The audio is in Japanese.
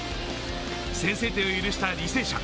先制点を許した履正社。